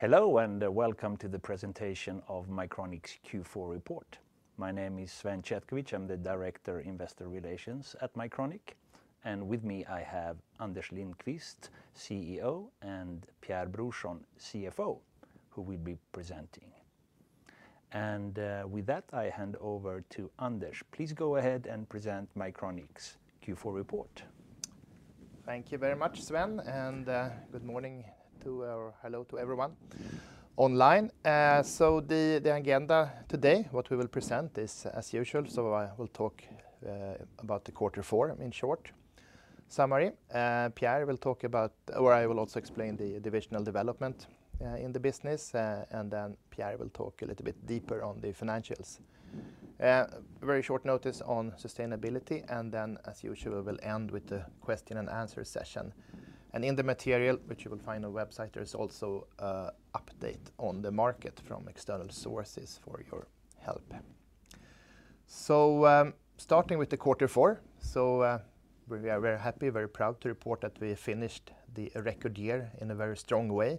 Hello and welcome to the presentation of Mycronic's Q4 report. My name is Sven Chetkovich. I'm the Director of Investor Relations at Mycronic, and with me I have Anders Lindqvist, CEO, and Pierre Brorsson, CFO, who will be presenting, and with that, I hand over to Anders. Please go ahead and present Mycronic's Q4 report. Thank you very much, Sven, and good morning to, or hello to everyone online. So, the agenda today, what we will present is as usual, so I will talk about the quarter 4 in short summary. Pierre will talk about, or I will also explain the divisional development in the business, and then Pierre will talk a little bit deeper on the financials. Very short notice on sustainability, and then as usual we will end with the question and answer session, and in the material, which you will find on the website, there is also an update on the market from external sources for your help. So, starting with the quarter 4, so we are very happy, very proud to report that we finished the record year in a very strong way.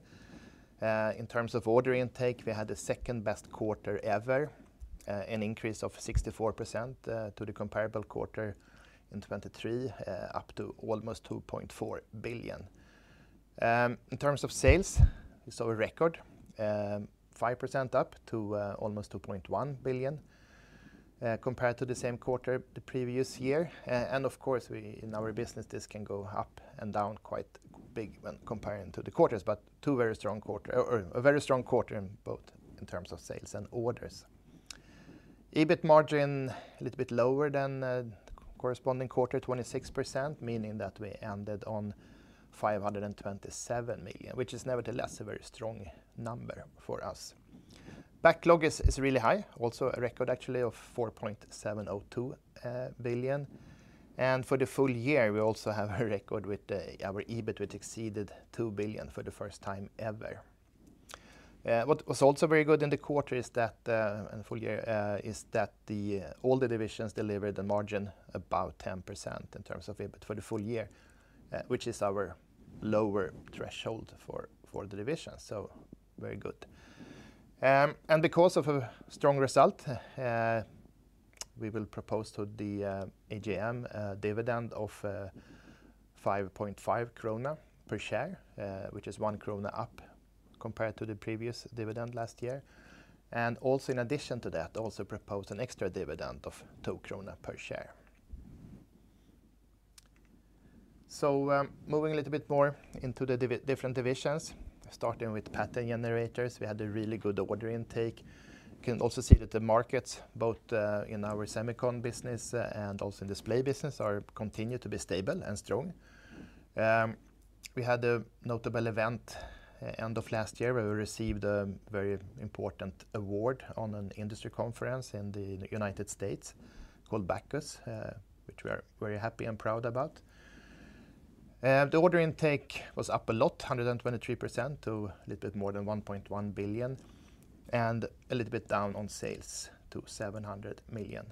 In terms of order intake, we had the second best quarter ever, an increase of 64% to the comparable quarter in 2023, up to almost 2.4 billion. In terms of sales, we saw a record, 5% up to almost 2.1 billion compared to the same quarter the previous year, and of course, in our business this can go up and down quite big when comparing to the quarters, but two very strong quarters, or a very strong quarter in both in terms of sales and orders. EBIT margin a little bit lower than corresponding quarter, 26%, meaning that we ended on 527 million, which is nevertheless a very strong number for us. Backlog is really high, also a record actually of 4.702 billion, and for the full year we also have a record with our EBIT exceeded 2 billion for the first time ever. What was also very good in the quarter is that, and full year, is that all the divisions delivered a margin about 10% in terms of EBIT for the full year, which is our lower threshold for the divisions, so very good. And because of a strong result, we will propose to the AGM dividend of 5.5 krona per share, which is one krona up compared to the previous dividend last year. And also in addition to that, also propose an extra dividend of two krona per share. So moving a little bit more into the different divisions, starting with Pattern Generators, we had a really good order intake. You can also see that the markets, both in our Semicon business and also in the Display business, continue to be stable and strong. We had a notable event end of last year where we received a very important award on an industry conference in the United States called BACUS, which we are very happy and proud about. The order intake was up a lot, 123% to a little bit more than 1.1 billion, and a little bit down on sales to 700 million.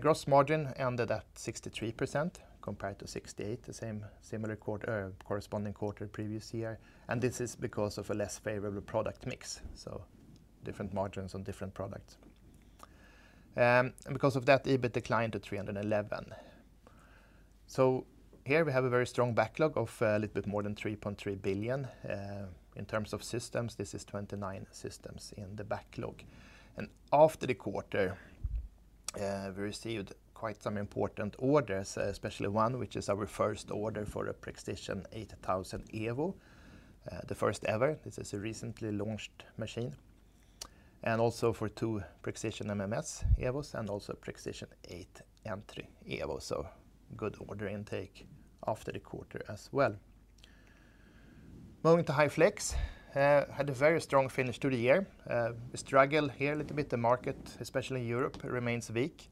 Gross margin ended at 63% compared to 68%, the same similar corresponding quarter previous year, and this is because of a less favorable product mix, so different margins on different products. And because of that, EBIT declined to 311 million. So here we have a very strong backlog of a little bit more than 3.3 billion. In terms of systems, this is 29 systems in the backlog. After the quarter, we received quite some important orders, especially one, which is our first order for a Prexision 8000 Evo, the first ever. This is a recently launched machine. And also for two Prexision MMS Evos and also Prexision 8 Entry Evos, so good order intake after the quarter as well. Moving to High Flex, had a very strong finish to the year. We struggle here a little bit, the market, especially in Europe, remains weak.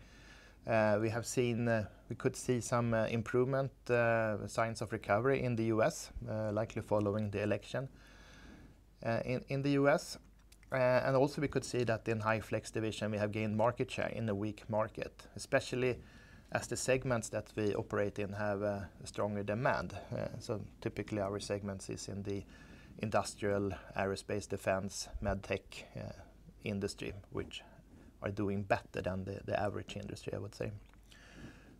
We have seen, we could see some improvement, signs of recovery in the U.S., likely following the election in the U.S. And also we could see that in High Flex division we have gained market share in a weak market, especially as the segments that we operate in have stronger demand. So typically our segments is in the industrial, aerospace, defense, medtech industry, which are doing better than the average industry, I would say.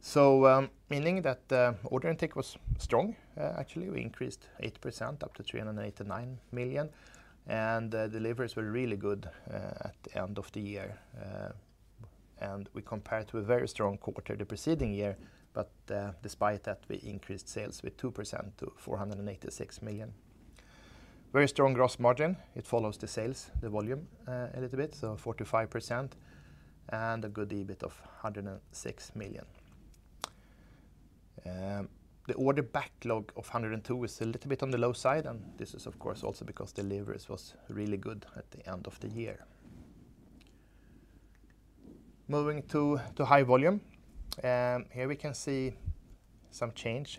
So, meaning that order intake was strong. Actually, we increased 8% up to 389 million, and deliveries were really good at the end of the year. And we compared to a very strong quarter the preceding year, but despite that we increased sales with 2% to 486 million. Very strong gross margin. It follows the sales, the volume a little bit, so 45% and a good EBIT of 106 million. The order backlog of 102 million is a little bit on the low side, and this is of course also because deliveries was really good at the end of the year. Moving to High Volume, here we can see some change,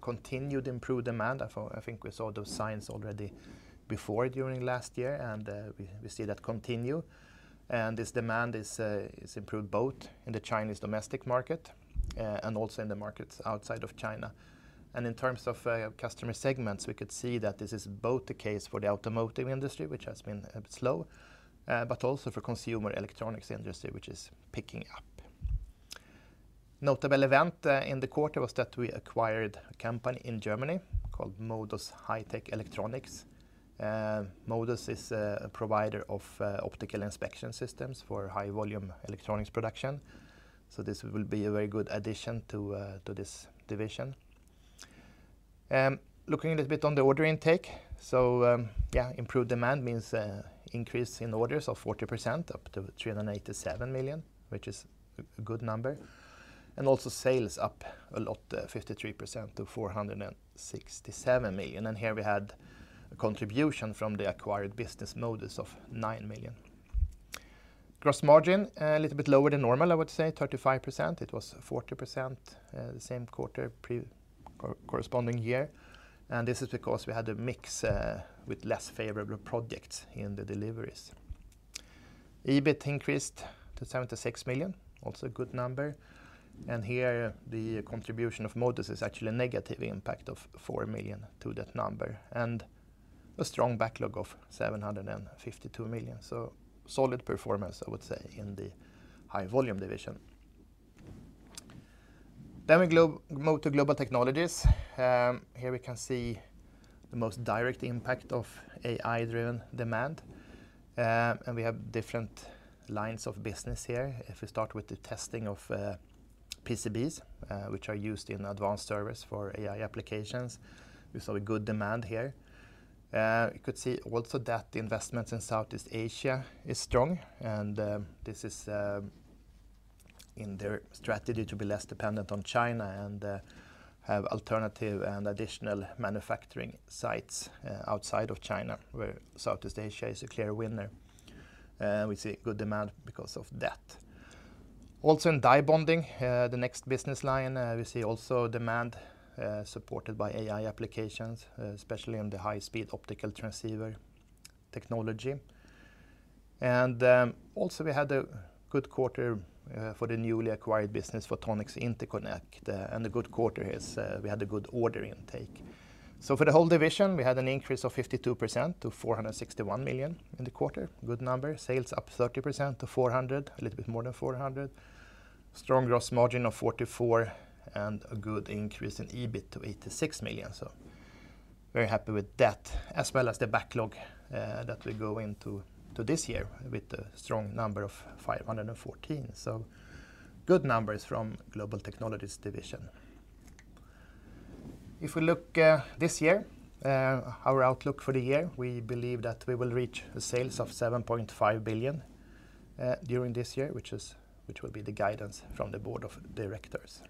continued improved demand. I think we saw those signs already before during last year, and we see that continue. And this demand is improved both in the Chinese domestic market and also in the markets outside of China. And in terms of customer segments, we could see that this is both the case for the automotive industry, which has been slow, but also for consumer electronics industry, which is picking up. Notable event in the quarter was that we acquired a company in Germany called Modus High-Tech Electronics. Modus is a provider of optical inspection systems for high volume electronics production, so this will be a very good addition to this division. Looking a little bit on the order intake, so yeah, improved demand means increase in orders of 40% up to 387 million, which is a good number. And also sales up a lot, 53% to 467 million, and here we had a contribution from the acquired business Modus of 9 million. Gross margin a little bit lower than normal, I would say, 35%. It was 40% the same quarter corresponding year. This is because we had a mix with less favorable projects in the deliveries. EBIT increased to 76 million, also a good number. Here the contribution of Modus is actually a negative impact of 4 million to that number, and a strong backlog of 752 million, so solid performance I would say in the High Volume division. Then, we go to Global Technologies. Here, we can see the most direct impact of AI-driven demand. We have different lines of business here. If we start with the testing of PCBs, which are used in advanced service for AI applications, we saw a good demand here. We could see also that investments in Southeast Asia are strong, and this is in their strategy to be less dependent on China and have alternative and additional manufacturing sites outside of China, where Southeast Asia is a clear winner. We see good demand because of that. Also in Die Bonding, the next business line, we see also demand supported by AI applications, especially on the high-speed optical transceiver technology. And also we had a good quarter for the newly acquired business Photonic Interconnects, and a good quarter is we had a good order intake. So for the whole division, we had an increase of 52% to 461 million in the quarter, good number, sales up 30% to 400 million, a little bit more than 400, strong gross margin of 44%, and a good increase in EBIT to 86 million. So very happy with that, as well as the backlog that we go into this year with a strong number of 514 million, so good numbers from Global Technologies division. If we look this year, our outlook for the year, we believe that we will reach sales of 7.5 billion during this year, which will be the guidance from the board of directors.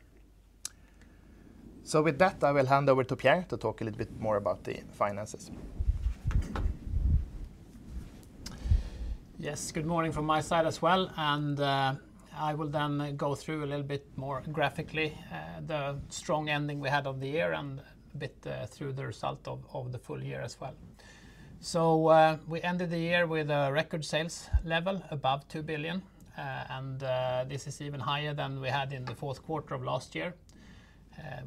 So with that, I will hand over to Pierre to talk a little bit more about the finances. Yes, good morning from my side as well, and I will then go through a little bit more graphically the strong ending we had of the year and a bit through the result of the full year as well, so we ended the year with a record sales level above 2 billion, and this is even higher than we had in the fourth quarter of last year.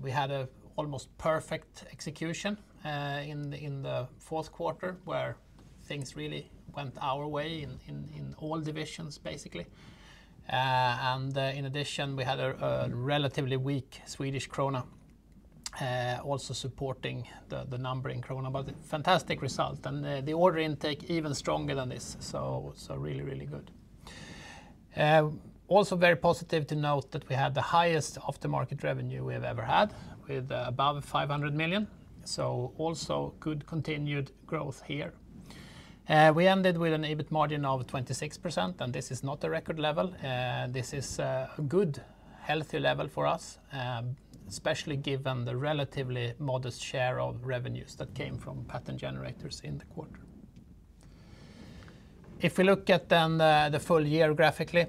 We had an almost perfect execution in the fourth quarter where things really went our way in all divisions basically, and in addition, we had a relatively weak Swedish krona also supporting the number in krona, but fantastic result, and the order intake even stronger than this, so really, really good. Also very positive to note that we had the highest aftermarket revenue we have ever had with above 500 million, so also good continued growth here. We ended with an EBIT margin of 26%, and this is not a record level. This is a good, healthy level for us, especially given the relatively modest share of revenues that came from Pattern Generators in the quarter. If we look at then the full year graphically,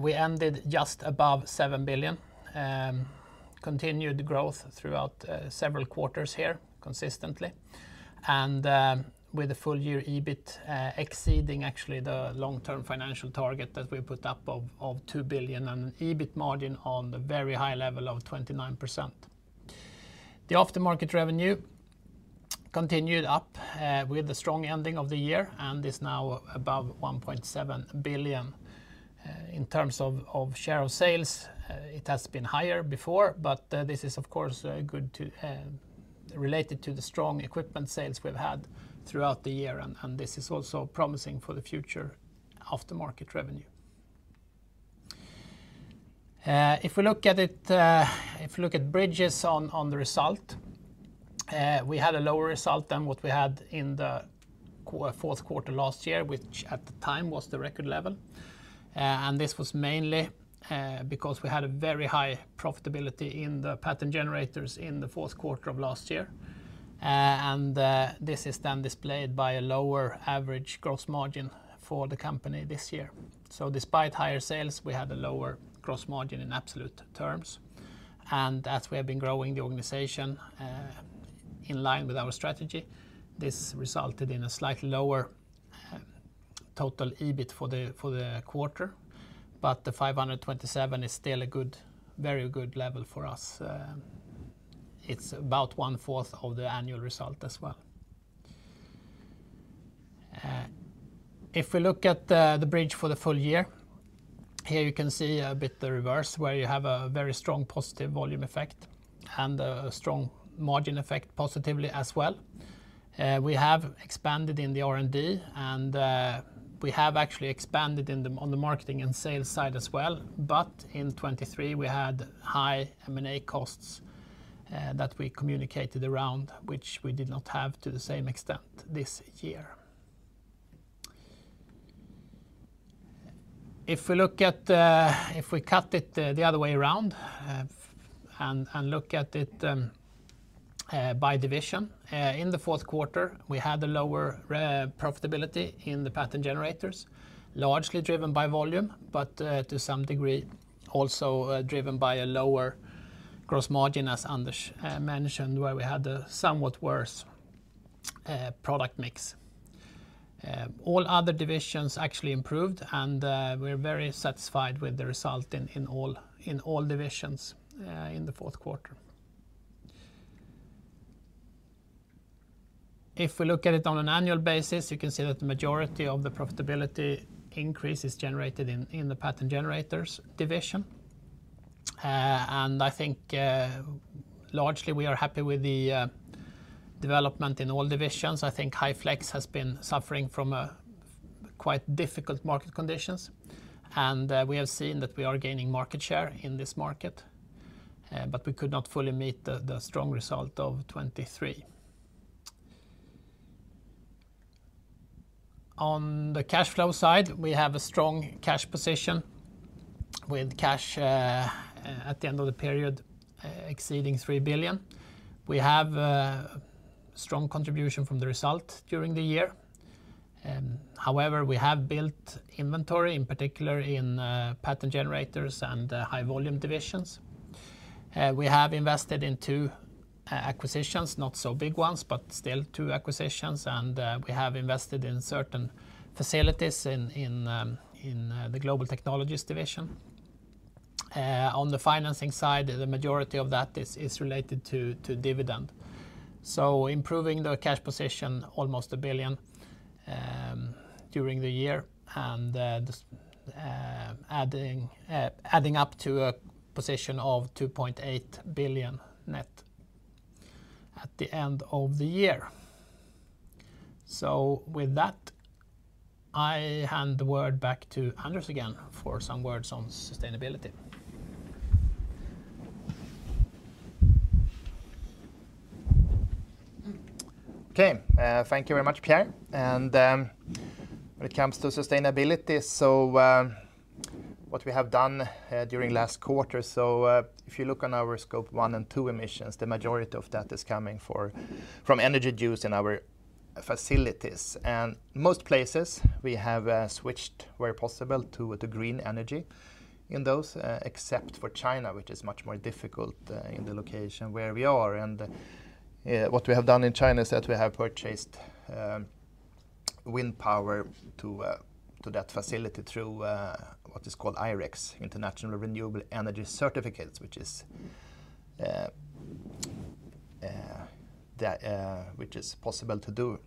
we ended just above 7 billion, continued growth throughout several quarters here consistently, and with a full year EBIT exceeding actually the long-term financial target that we put up of 2 billion and an EBIT margin on the very high level of 29%. The aftermarket revenue continued up with the strong ending of the year and is now above 1.7 billion. In terms of share of sales, it has been higher before, but this is of course good related to the strong equipment sales we've had throughout the year, and this is also promising for the future aftermarket revenue. If we look at it, if we look at bridges on the result, we had a lower result than what we had in the fourth quarter last year, which at the time was the record level, and this was mainly because we had a very high profitability in the Pattern Generators in the fourth quarter of last year. And this is then displayed by a lower average gross margin for the company this year, so despite higher sales, we had a lower gross margin in absolute terms, and as we have been growing the organization in line with our strategy, this resulted in a slightly lower total EBIT for the quarter, but the 527 is still a good, very good level for us. It's about 1/4 of the annual result as well. If we look at the bridge for the full year, here you can see a bit the reverse where you have a very strong positive volume effect and a strong margin effect positively as well. We have expanded in the R&D, and we have actually expanded on the marketing and sales side as well, but in 2023 we had high M&A costs that we communicated around, which we did not have to the same extent this year. If we cut it the other way around and look at it by division, in the fourth quarter we had a lower profitability in the pattern generators, largely driven by volume, but to some degree also driven by a lower gross margin as Anders mentioned where we had a somewhat worse product mix. All other divisions actually improved, and we're very satisfied with the result in all divisions in the fourth quarter. If we look at it on an annual basis, you can see that the majority of the profitability increase is generated in the Pattern Generators division, and I think largely we are happy with the development in all divisions. I think High Flex has been suffering from quite difficult market conditions, and we have seen that we are gaining market share in this market, but we could not fully meet the strong result of 2023. On the cash flow side, we have a strong cash position with cash at the end of the period exceeding 3 billion. We have a strong contribution from the result during the year. However, we have built inventory, in particular in Pattern Generators and High Volume divisions. We have invested in two acquisitions, not so big ones, but still two acquisitions, and we have invested in certain facilities in the Global Technologies division. On the financing side, the majority of that is related to dividend. Improving the cash position almost 1 billion during the year and adding up to a position of 2.8 billion net at the end of the year. With that, I hand the word back to Anders again for some words on sustainability. Okay, thank you very much, Pierre. And when it comes to sustainability, so what we have done during last quarter, so if you look on our Scope 1 and 2 emissions, the majority of that is coming from energy used in our facilities. And most places we have switched where possible to green energy in those, except for China, which is much more difficult in the location where we are. And what we have done in China is that we have purchased wind power to that facility through what is called I-REC, International Renewable Energy Certificates, which is possible to do.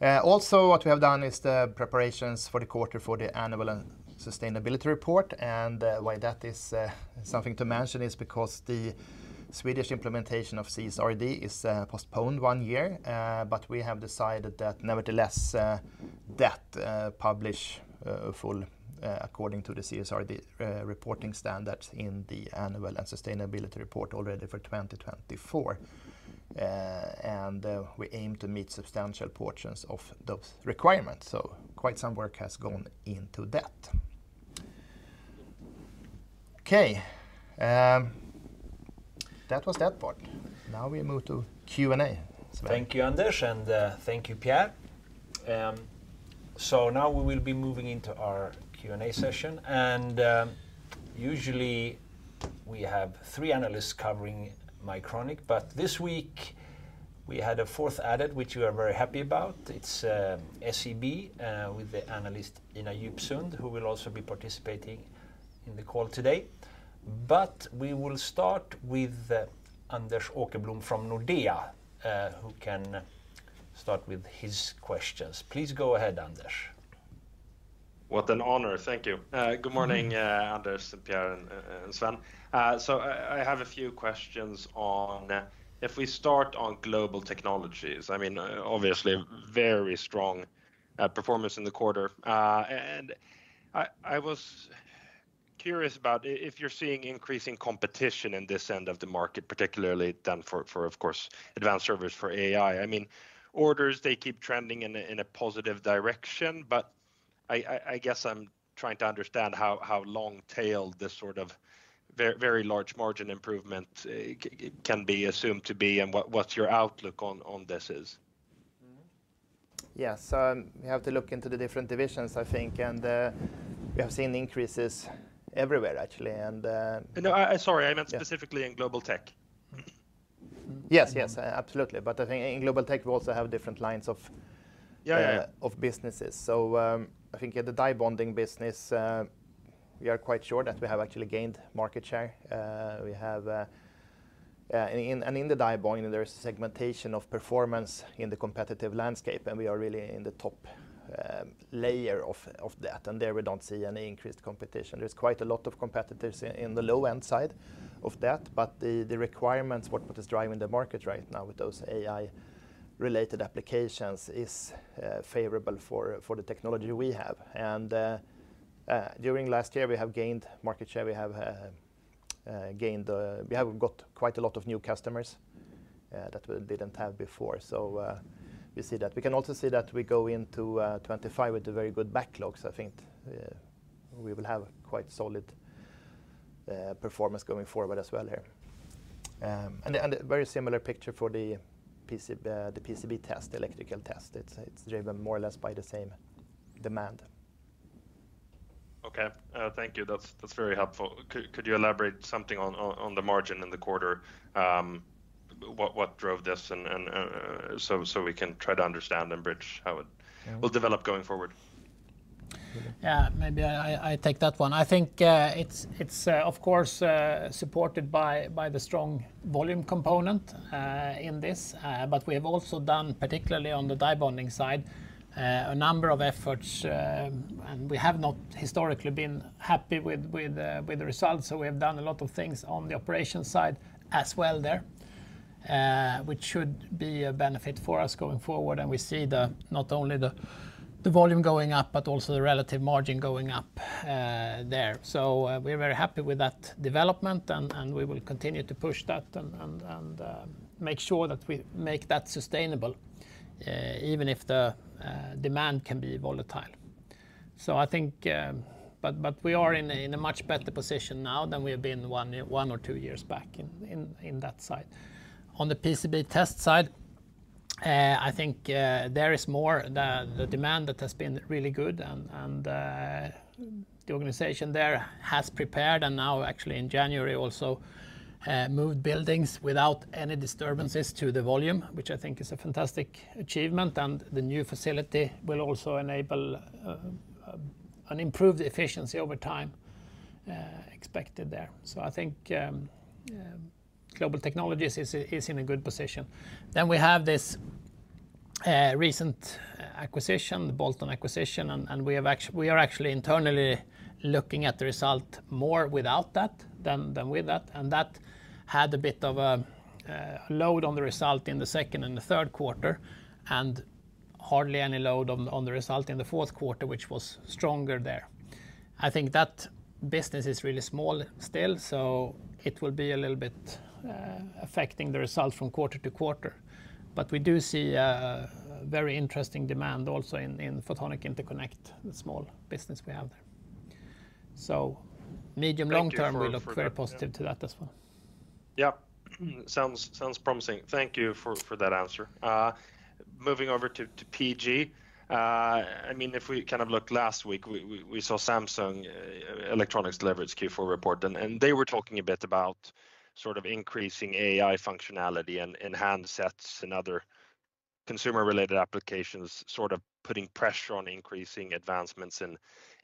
Also what we have done is the preparations for the quarter for the annual sustainability report, and why that is something to mention is because the Swedish implementation of CSRD is postponed one year, but we have decided that nevertheless that publish full according to the CSRD reporting standards in the annual and sustainability report already for 2024. And we aim to meet substantial portions of those requirements, so quite some work has gone into that. Okay, that was that part. Now we move to Q&A. Thank you, Anders, and thank you, Pierre. So now we will be moving into our Q&A session, and usually we have three analysts covering Mycronic, but this week we had a fourth added, which we are very happy about. It's SEB with the analyst Ina Djupsund, who will also be participating in the call today. But we will start with Anders Åkerblom from Nordea, who can start with his questions. Please go ahead, Anders. What an honor, thank you. Good morning, Anders, and Pierre, and Sven. So I have a few questions on if we start on Global Technologies. I mean, obviously very strong performance in the quarter. And I was curious about if you're seeing increasing competition in this end of the market, particularly then for, of course, advanced servers for AI. I mean, orders, they keep trending in a positive direction, but I guess I'm trying to understand how long-tailed this sort of very large margin improvement can be assumed to be, and what's your outlook on this? Yeah, so we have to look into the different divisions, I think, and we have seen increases everywhere, actually. No, sorry, I meant specifically in Global Tech. Yes, yes, absolutely, but I think in Global Tech we also have different lines of businesses, so I think in the Die Bonding business, we are quite sure that we have actually gained market share, and in the Die Bonding, there is segmentation of performance in the competitive landscape, and we are really in the top layer of that, and there we don't see any increased competition. There's quite a lot of competitors in the low-end side of that, but the requirements, what is driving the market right now with those AI-related applications is favorable for the technology we have, and during last year, we have gained market share. We have got quite a lot of new customers that we didn't have before, so we see that. We can also see that we go into 2025 with a very good backlog, so I think we will have quite solid performance going forward as well here, and a very similar picture for the PCB Test, electrical test. It's driven more or less by the same demand. Okay, thank you. That's very helpful. Could you elaborate something on the margin in the quarter? What drove this so we can try to understand and bridge how it will develop going forward? Yeah, maybe I take that one. I think it's, of course, supported by the strong volume component in this, but we have also done, particularly on the Die Bonding side, a number of efforts, and we have not historically been happy with the results. So we have done a lot of things on the operation side as well there, which should be a benefit for us going forward. And we see not only the volume going up, but also the relative margin going up there. So we're very happy with that development, and we will continue to push that and make sure that we make that sustainable even if the demand can be volatile. So I think but we are in a much better position now than we have been one or two years back in that side. On the PCB Test side, I think there is more than the demand that has been really good, and the organization there has prepared and now actually in January also moved buildings without any disturbances to the volume, which I think is a fantastic achievement. And the new facility will also enable an improved efficiency over time expected there. So I think Global Technologies is in a good position. Then we have this recent acquisition, the bolt-on acquisition, and we are actually internally looking at the result more without that than with that. And that had a bit of a load on the result in the second and the third quarter and hardly any load on the result in the fourth quarter, which was stronger there. I think that business is really small still, so it will be a little bit affecting the result from quarter-to-quarter. But we do see a very interesting demand also in Photonic Interconnects, the small business we have there. So medium long term we look very positive to that as well. Yeah, sounds promising. Thank you for that answer. Moving over to PG. I mean, if we kind of looked last week, we saw Samsung Electronics deliver its Q4 report, and they were talking a bit about sort of increasing AI functionality and handsets and other consumer-related applications, sort of putting pressure on increasing advancements in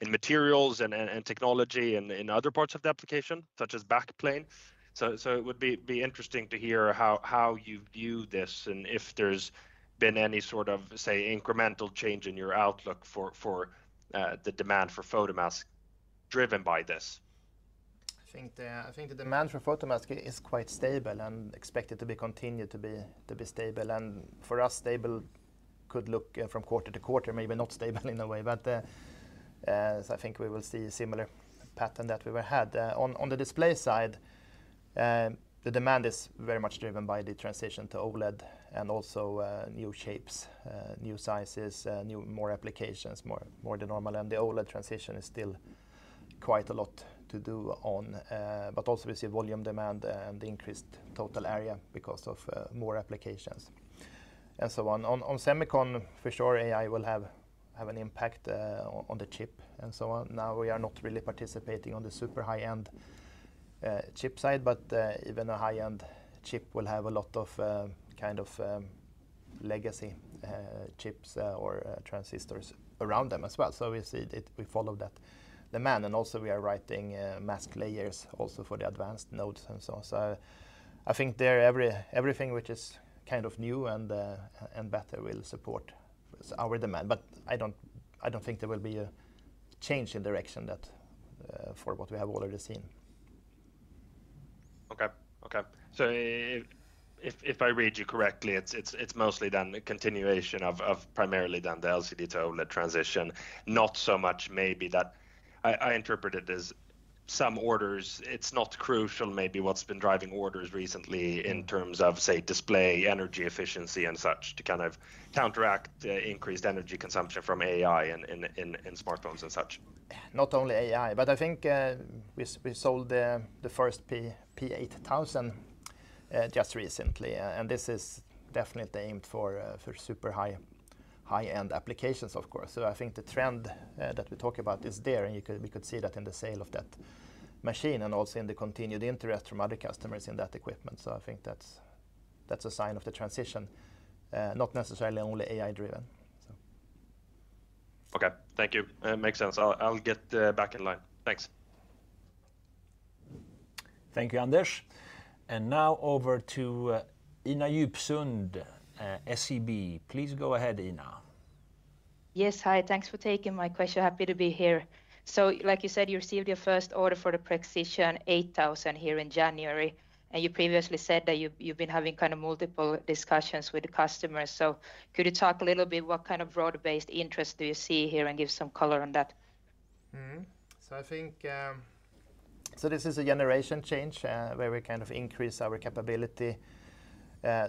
materials and technology and other parts of the application such as backplane. So it would be interesting to hear how you view this and if there's been any sort of, say, incremental change in your outlook for the demand for photomask driven by this. I think the demand for photomask is quite stable and expected to continue to be stable, and for us, stable could look from quarter to quarter, maybe not stable in a way, but I think we will see a similar pattern that we had. On the display side, the demand is very much driven by the transition to OLED and also new shapes, new sizes, more applications, more than normal, and the OLED transition is still quite a lot to do on, but also we see volume demand and increased total area because of more applications and so on. On Semicon, for sure, AI will have an impact on the chip and so on. Now we are not really participating on the super high-end chip side, but even a high-end chip will have a lot of kind of legacy chips or transistors around them as well. So we see that we follow that demand. And also we are writing mask layers also for the advanced nodes and so on. So I think there everything which is kind of new and better will support our demand, but I don't think there will be a change in direction for what we have already seen. Okay, okay. So if I read you correctly, it's mostly then a continuation of primarily then the LCD to OLED transition, not so much maybe that I interpret it as some orders. It's not crucial maybe what's been driving orders recently in terms of, say, display energy efficiency and such to kind of counteract increased energy consumption from AI in smartphones and such. Not only AI, but I think we sold the first P8000 just recently, and this is definitely aimed for super high-end applications, of course. So I think the trend that we talk about is there, and we could see that in the sale of that machine and also in the continued interest from other customers in that equipment. So I think that's a sign of the transition, not necessarily only AI-driven. Okay, thank you. Makes sense. I'll get back in line. Thanks. Thank you, Anders. And now over to Ina Djupsund, SEB. Please go ahead, Ina. Yes, hi. Thanks for taking my question. Happy to be here. So like you said, you received your first order for the Prexision 8000 here in January, and you previously said that you've been having kind of multiple discussions with the customers. So could you talk a little bit what kind of broad-based interest do you see here and give some color on that? I think this is a generation change where we kind of increase our capability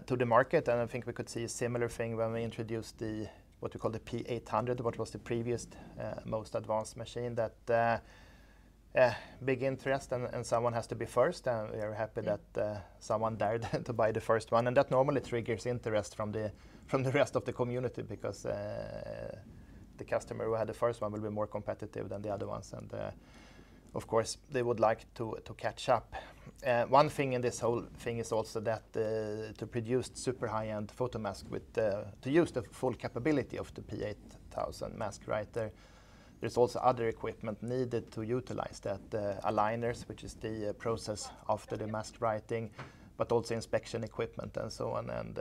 to the market. I think we could see a similar thing when we introduced what we call the P800, what was the previous most advanced machine, that big interest and someone has to be first. We are happy that someone dared to buy the first one. That normally triggers interest from the rest of the community because the customer who had the first one will be more competitive than the other ones. Of course, they would like to catch up. One thing in this whole thing is also that to produce super high-end photomask, to use the full capability of the P8000 mask writer, there's also other equipment needed to utilize those aligners, which is the process after the mask writing, but also inspection equipment and so on. And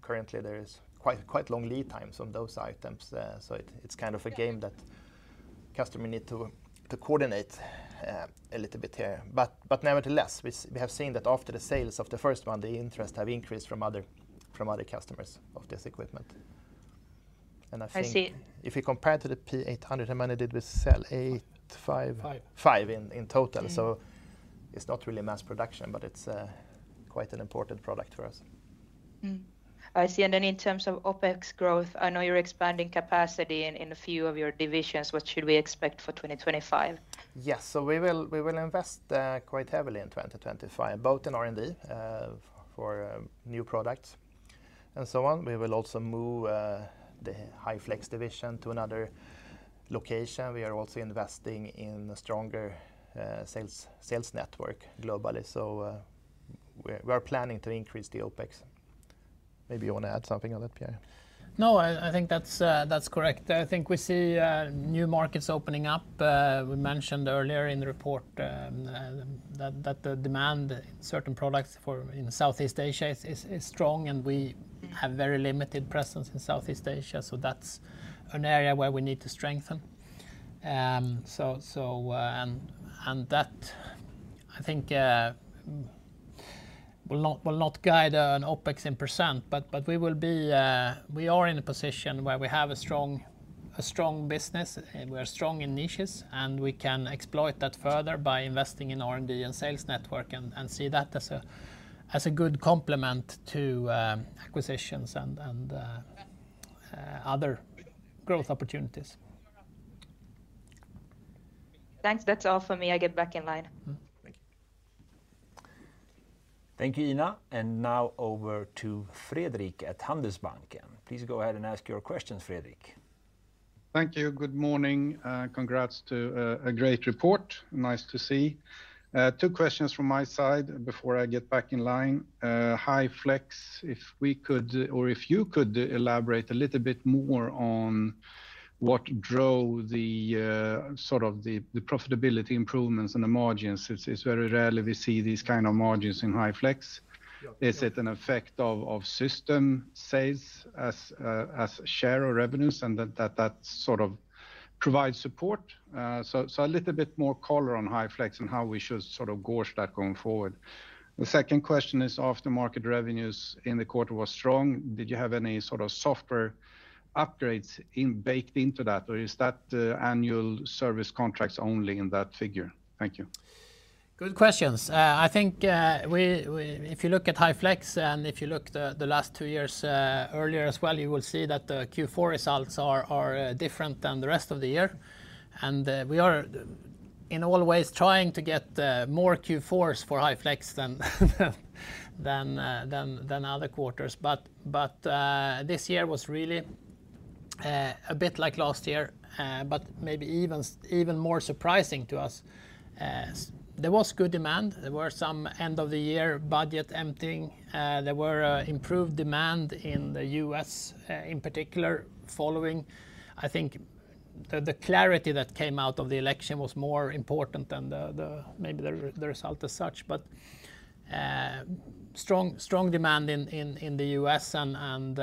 currently there is quite long lead times on those items. So it's kind of a game that customers need to coordinate a little bit here. But nevertheless, we have seen that after the sales of the first one, the interest has increased from other customers of this equipment. And I think if you compare to the P800, how many did we sell? Eight. Five. Five in total. So it's not really mass production, but it's quite an important product for us. I see. And then in terms of OpEx growth, I know you're expanding capacity in a few of your divisions. What should we expect for 2025? Yes, so we will invest quite heavily in 2025, both in R&D for new products and so on. We will also move the High Flex division to another location. We are also investing in a stronger sales network globally. So we are planning to increase the OpEx. Maybe you want to add something on that, Pierre? No, I think that's correct. I think we see new markets opening up. We mentioned earlier in the report that the demand in certain products in Southeast Asia is strong, and we have very limited presence in Southeast Asia. So that's an area where we need to strengthen, and that, I think, will not guide an OpEx in percent, but we are in a position where we have a strong business, we are strong in niches, and we can exploit that further by investing in R&D and sales network and see that as a good complement to acquisitions and other growth opportunities. Thanks. That's all for me. I get back in line. Thank you. Thank you, Ina. And now over to Fredrik at Handelsbanken. Please go ahead and ask your questions, Fredrik. Thank you. Good morning. Congrats to a great report. Nice to see. Two questions from my side before I get back in line. High Flex, if we could, or if you could elaborate a little bit more on what drove sort of the profitability improvements and the margins. It's very rarely we see these kind of margins in High Flex. Is it an effect of system sales as share or revenues and that that sort of provides support? So a little bit more color on High Flex and how we should sort of gauge that going forward. The second question is aftermarket revenues in the quarter were strong. Did you have any sort of software upgrades baked into that, or is that annual service contracts only in that figure? Thank you. Good questions. I think if you look at High Flex and if you look the last two years earlier as well, you will see that the Q4 results are different than the rest of the year, and we are in all ways trying to get more Q4s for High Flex than other quarters, but this year was really a bit like last year, but maybe even more surprising to us. There was good demand. There were some end of the year budget emptying. There were improved demand in the U.S. in particular following, I think the clarity that came out of the election was more important than maybe the result as such, but strong demand in the U.S. and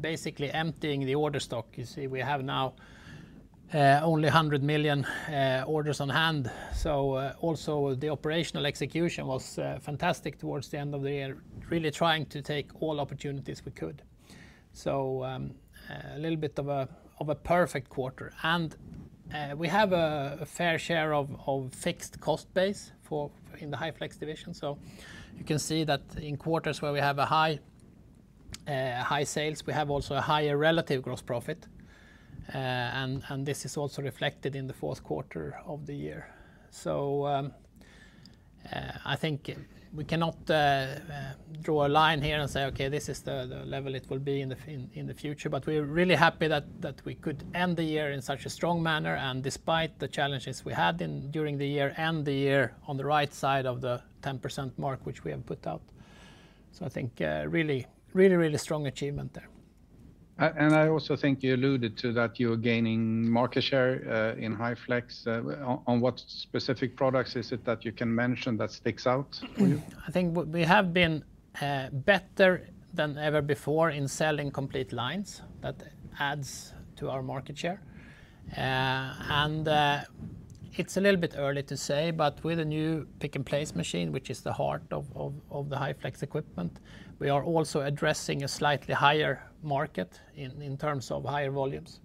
basically emptying the order stock. You see, we have now only 100 million orders on hand. So, also, the operational execution was fantastic towards the end of the year, really trying to take all opportunities we could. So, a little bit of a perfect quarter. And we have a fair share of fixed cost base in the High Flex division. So you can see that in quarters where we have high sales, we have also a higher relative gross profit. And this is also reflected in the fourth quarter of the year. So I think we cannot draw a line here and say, okay, this is the level it will be in the future. But we're really happy that we could end the year in such a strong manner and, despite the challenges we had during the year, and the year on the right side of the 10% mark which we have put out. So I think really, really, really strong achievement there. And I also think you alluded to that you're gaining market share in High Flex. On what specific products is it that you can mention that sticks out for you? I think we have been better than ever before in selling complete lines. That adds to our market share, and it's a little bit early to say, but with a new pick and place machine, which is the heart of the High Flex equipment, we are also addressing a slightly higher market in terms of higher volumes,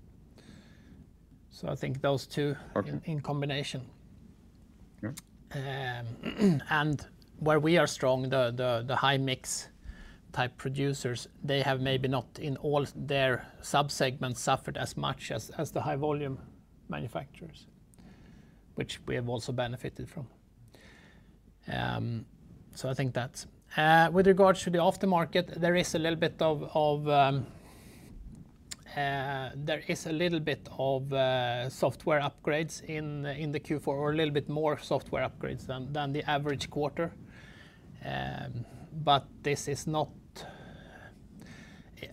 so I think those two in combination, and where we are strong, the high mix type producers, they have maybe not in all their subsegments suffered as much as the high volume manufacturers, which we have also benefited from, so I think that's with regards to the aftermarket. There is a little bit of software upgrades in the Q4 or a little bit more software upgrades than the average quarter. But this is not,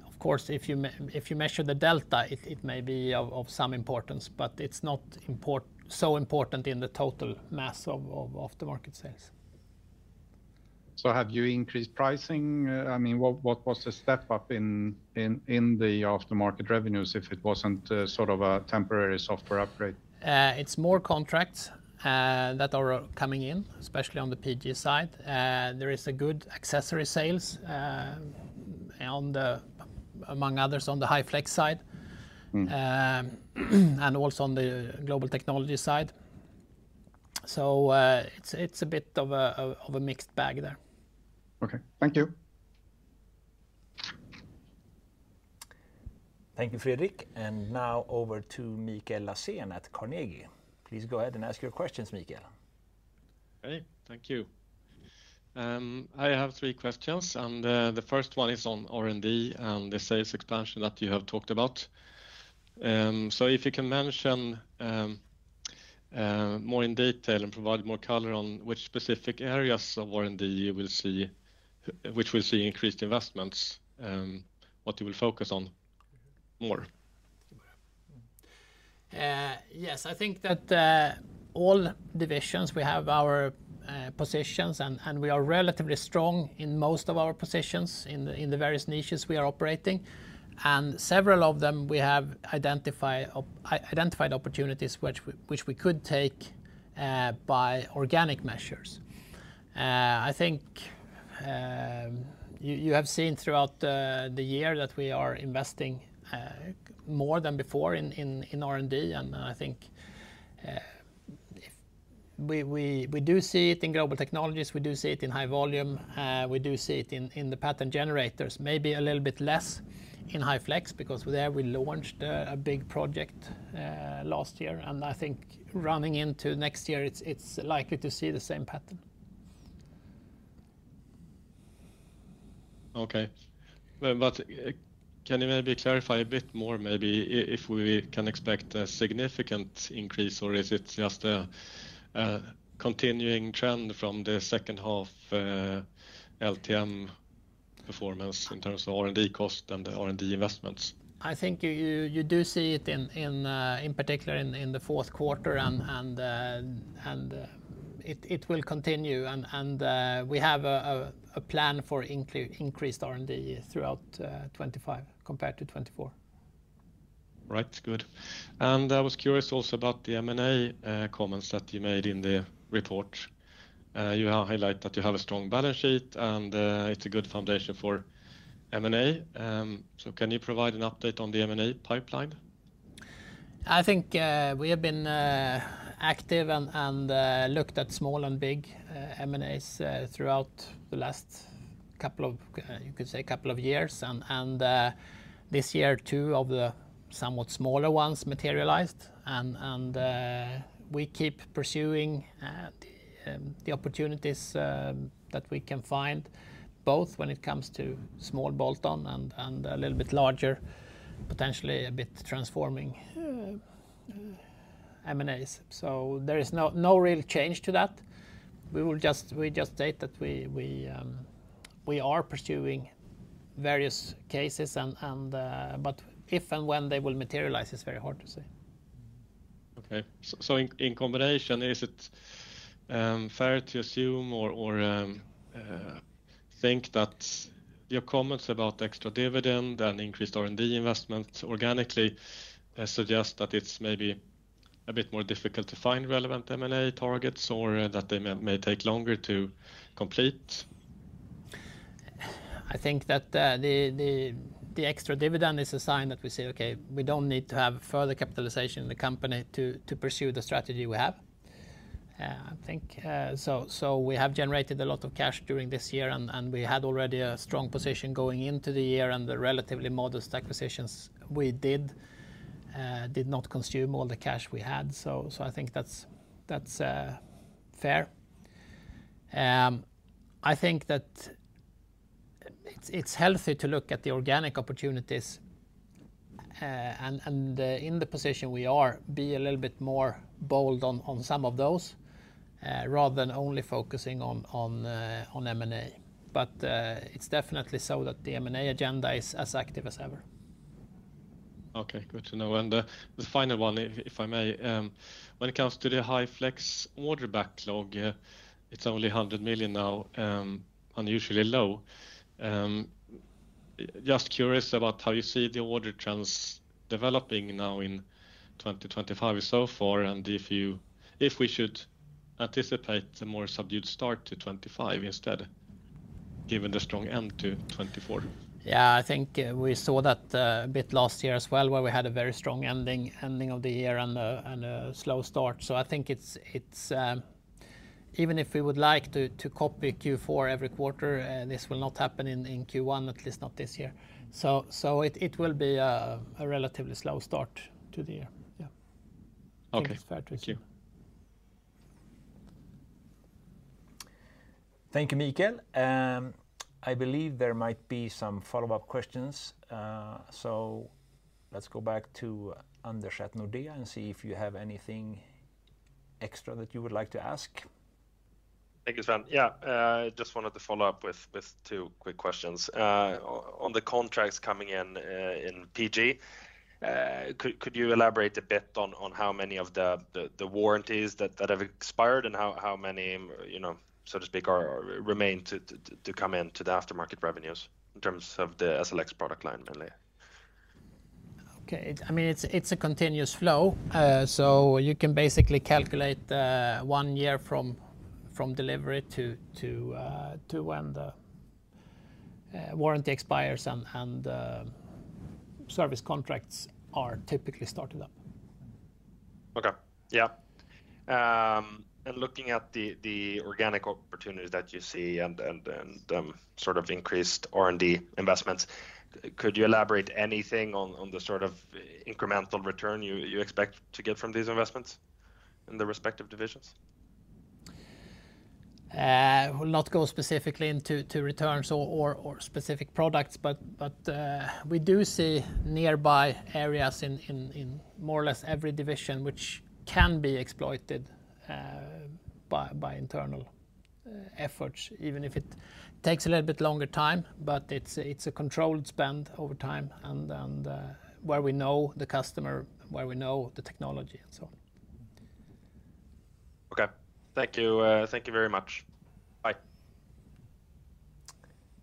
of course, if you measure the delta, it may be of some importance, but it's not so important in the total mass of aftermarket sales. So have you increased pricing? I mean, what was the step up in the aftermarket revenues if it wasn't sort of a temporary software upgrade? It's more contracts that are coming in, especially on the PG side. There is a good accessory sales among others on the High Flex side and also on the Global Technologies side, so it's a bit of a mixed bag there. Okay, thank you. Thank you, Fredrik. And now over to Mikael Laséen at Carnegie. Please go ahead and ask your questions, Mikael. Hey, thank you. I have three questions. And the first one is on R&D and the sales expansion that you have talked about. So if you can mention more in detail and provide more color on which specific areas of R&D you will see which will see increased investments, what you will focus on more? Yes, I think that all divisions, we have our positions and we are relatively strong in most of our positions in the various niches we are operating. And several of them we have identified opportunities which we could take by organic measures. I think you have seen throughout the year that we are investing more than before in R&D. And I think we do see it in Global Technologies. We do see it in High Volume. We do see it in Pattern Generators. Maybe a little bit less in High Flex because there we launched a big project last year. And I think running into next year, it's likely to see the same pattern. Okay. But can you maybe clarify a bit more maybe if we can expect a significant increase or is it just a continuing trend from the second half LTM performance in terms of R&D cost and the R&D investments? I think you do see it in particular in the fourth quarter and it will continue. We have a plan for increased R&D throughout 2025 compared to 2024. Right, good. And I was curious also about the M&A comments that you made in the report. You highlight that you have a strong balance sheet and it's a good foundation for M&A. So can you provide an update on the M&A pipeline? I think we have been active and looked at small and big M&As throughout the last couple of, you could say, couple of years, and this year, two of the somewhat smaller ones materialized, and we keep pursuing the opportunities that we can find both when it comes to small bolt-on and a little bit larger, potentially a bit transforming M&As, so there is no real change to that. We just state that we are pursuing various cases, but if and when they will materialize is very hard to say. Okay. So in combination, is it fair to assume or think that your comments about extra dividend and increased R&D investments organically suggest that it's maybe a bit more difficult to find relevant M&A targets or that they may take longer to complete? I think that the extra dividend is a sign that we say, okay, we don't need to have further capitalization in the company to pursue the strategy we have. I think, so we have generated a lot of cash during this year and we had already a strong position going into the year and the relatively modest acquisitions we did not consume all the cash we had. So I think that's fair. I think that it's healthy to look at the organic opportunities and in the position we are, be a little bit more bold on some of those rather than only focusing on M&A, but it's definitely so that the M&A agenda is as active as ever. Okay, good to know. And the final one, if I may, when it comes to the High Flex order backlog, it's only 100 million now, unusually low. Just curious about how you see the order trends developing now in 2025 so far and if we should anticipate a more subdued start to 2025 instead, given the strong end to 2024? Yeah, I think we saw that a bit last year as well where we had a very strong ending of the year and a slow start. So I think even if we would like to copy Q4 every quarter, this will not happen in Q1, at least not this year. So it will be a relatively slow start to the year. Yeah. Okay. I think it's fair to assume. Thank you, Mikael. I believe there might be some follow-up questions. So let's go back to Anders at Nordea and see if you have anything extra that you would like to ask. Thank you, Sven. Yeah, I just wanted to follow up with two quick questions. On the contracts coming in in PG, could you elaborate a bit on how many of the warranties that have expired and how many, so to speak, remain to come into the aftermarket revenues in terms of the SLX product line mainly? Okay. I mean, it's a continuous flow. So you can basically calculate one year from delivery to when the warranty expires and service contracts are typically started up. Okay. Yeah. And looking at the organic opportunities that you see and sort of increased R&D investments, could you elaborate anything on the sort of incremental return you expect to get from these investments in the respective divisions? We'll not go specifically into returns or specific products, but we do see nearby areas in more or less every division which can be exploited by internal efforts, even if it takes a little bit longer time, but it's a controlled spend over time and where we know the customer, where we know the technology and so. Okay. Thank you. Thank you very much. Bye.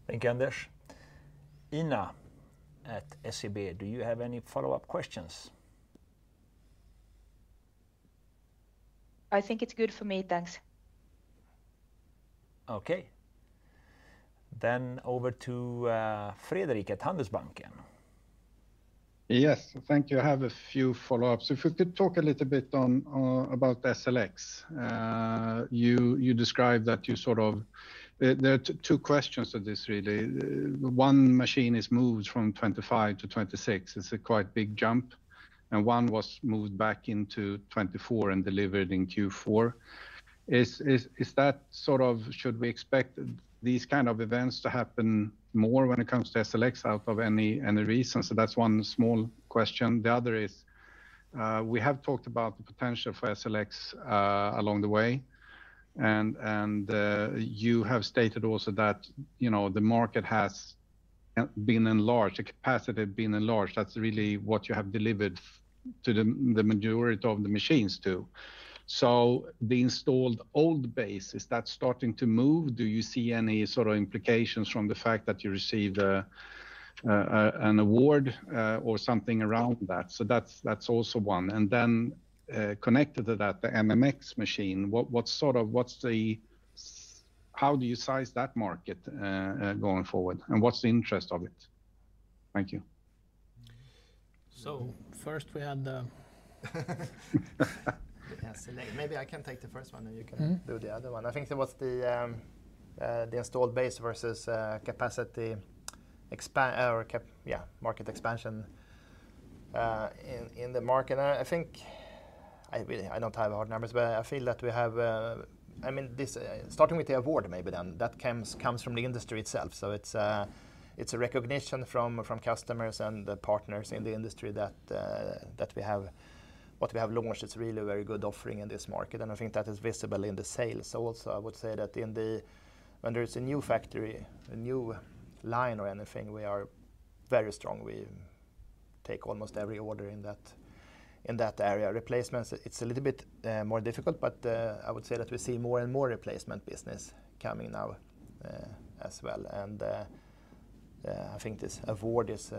Thank you, Anders. Ina at SEB, do you have any follow-up questions? I think it's good for me. Thanks. Okay. Then over to Fredrik at Handelsbanken. Yes, thank you. I have a few follow-ups. If we could talk a little bit about SLX. You described that you sort of there are two questions to this really. One machine is moved from 2025 to 2026. It's a quite big jump. And one was moved back into 2024 and delivered in Q4. Is that sort of should we expect these kind of events to happen more when it comes to SLX out of any reason? So that's one small question. The other is we have talked about the potential for SLX along the way. And you have stated also that the market has been enlarged, the capacity has been enlarged. That's really what you have delivered to the majority of the machines too. So the installed base, is that starting to move? Do you see any sort of implications from the fact that you receive an award or something around that? So that's also one. And then connected to that, the MMX machine, what's the how do you size that market going forward? And what's the interest of it? Thank you. So, First we had the. Maybe I can take the first one and you can do the other one. I think it was the installed base versus capacity or yeah market expansion in the market. I think I don't have hard numbers, but I feel that we have I mean, starting with the award maybe then, that comes from the industry itself. So it's a recognition from customers and partners in the industry that we have what we have launched is really a very good offering in this market. And I think that is visible in the sales. So also I would say that when there is a new factory, a new line or anything, we are very strong. We take almost every order in that area. Replacements, it's a little bit more difficult, but I would say that we see more and more replacement business coming now as well. I think this award is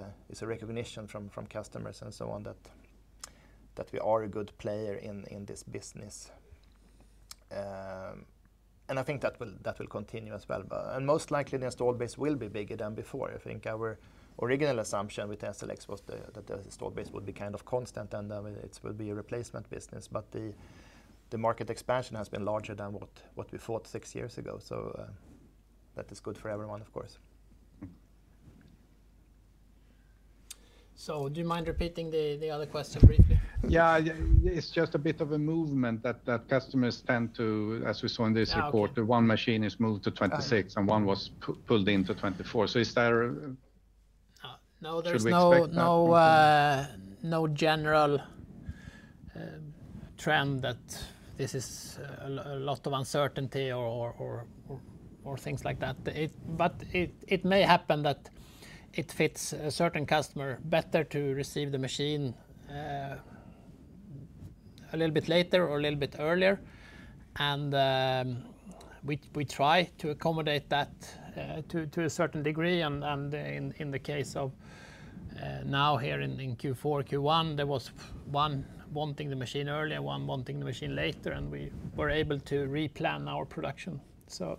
a recognition from customers and so on that we are a good player in this business. I think that will continue as well. Most likely the installed base will be bigger than before. I think our original assumption with SLX was that the installed base would be kind of constant and it would be a replacement business. The market expansion has been larger than what we thought six years ago. That is good for everyone, of course. So do you mind repeating the other question briefly? Yeah, it's just a bit of a movement that customers tend to, as we saw in this report, one machine is moved to 2026 and one was pulled into 2024. So, should we expect? No general trend that this is a lot of uncertainty or things like that. But it may happen that it fits a certain customer better to receive the machine a little bit later or a little bit earlier. And we try to accommodate that to a certain degree. And in the case of now here in Q4, Q1, there was one wanting the machine earlier, one wanting the machine later, and we were able to replan our production. So,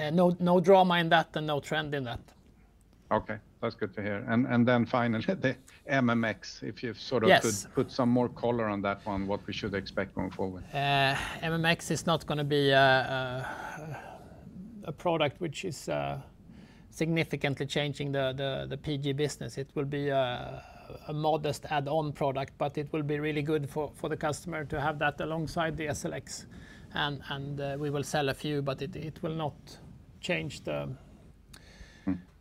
no drama in that and no trend in that. Okay, that's good to hear. And then finally, the MMX, if you sort of could put some more color on that one, what we should expect going forward? MMX is not going to be a product which is significantly changing the PG business. It will be a modest add-on product, but it will be really good for the customer to have that alongside the SLX. And we will sell a few, but it will not change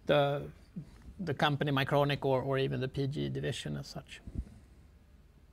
the company, Mycronic, or even the PG division as such.